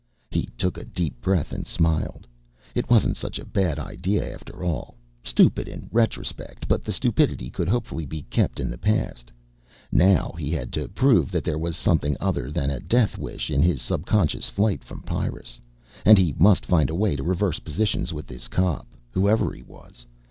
He took a deep breath and smiled. It wasn't such a bad idea after all. Stupid in retrospect, but the stupidity could hopefully be kept in the past. Now he had to prove that there was something other than a death wish in his subconscious flight from Pyrrus, and he must find a way to reverse positions with this cop, whoever he was.